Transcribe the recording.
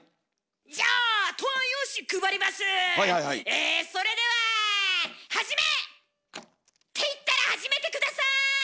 えそれでは始め！って言ったら始めて下さい！